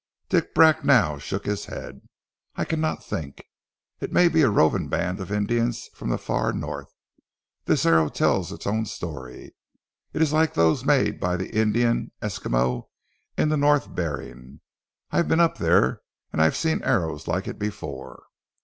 Dick Bracknell shook his head. "I cannot think. It may be a roving band of Indians from the far North. This arrow tells its own story. It is like those made by the Indian Esquimaux in the North Behring. I've been up there and I've seen arrows like it before."